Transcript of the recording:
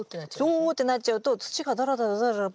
Ｏってなっちゃうと土がダラダラダラダラ